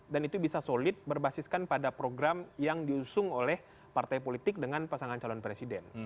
itu bisa solid berbasiskan pada program yang diusung oleh partai politik dengan pasangan calon presiden